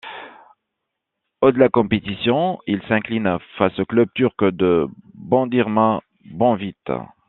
Au ' de la compétition, ils s'inclinent face au club turc de Bandırma Banvit.